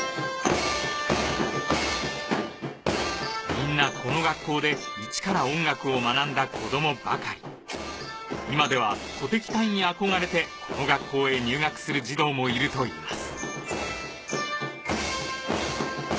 みんなこの学校でイチから音楽を学んだ子どもばかり今では鼓笛隊に憧れてこの学校へ入学する児童もいるといいます